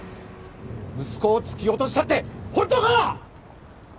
息子を突き落としたって本当か？